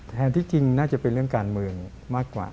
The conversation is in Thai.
แทนที่จริงน่าจะเป็นเรื่องการเมืองมากกว่า